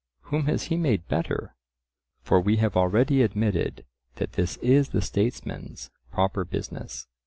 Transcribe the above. Whom has he made better? For we have already admitted that this is the statesman's proper business.